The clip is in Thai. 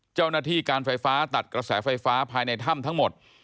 เจ้าหน้าที่การไฟฟ้าตัดกระแสไฟฟ้าภายในถ้ำทั้งหมด